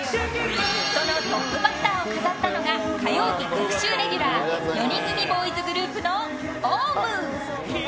そのトップバッターを飾ったのが火曜日隔週レギュラー４人組ボーイズグループのＯＷＶ。